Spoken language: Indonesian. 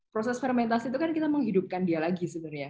proses fermentasi itu kan kita menghidupkan dia lagi sebenarnya